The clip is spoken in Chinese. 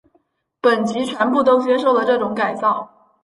本级全部都接受了这种改造。